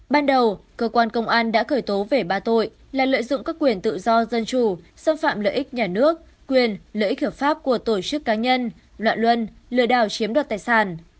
ban đầu cơ quan công an đã khởi tố về ba tội là lợi dụng các quyền tự do dân chủ xâm phạm lợi ích nhà nước quyền lợi ích hợp pháp của tổ chức cá nhân loại luân lừa đảo chiếm đoạt tài sản